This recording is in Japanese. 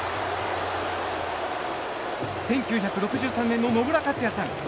１９６３年の野村克也さん